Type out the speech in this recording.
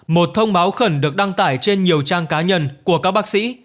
một thông báo khẩn được đăng tải trên nhiều trang cá nhân của các bác sĩ